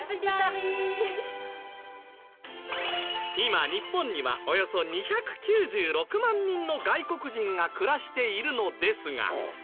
今日本にはおよそ２９６万人の外国人が暮らしているのですが。